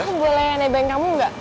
aku boleh nebeng kamu nggak